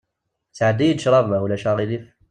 Sɛeddi-yi-d cṛab, ma ulac aɣilif.